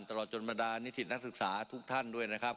ตลอดจนบรรดานิสิตนักศึกษาทุกท่านด้วยนะครับ